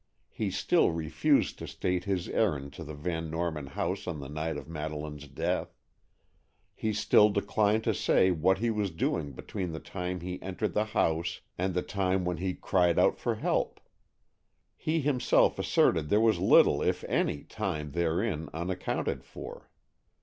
He still refused to state his errand to the Van Norman house on the night of Madeleine's death. He still declined to say what he was doing between the time he entered the house and the time when he cried out for help. He himself asserted there was little, if any, time therein unaccounted for.